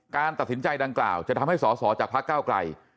การตัดสินใจดังกล่าวจะทำให้สอสอจากพระเก้าไกล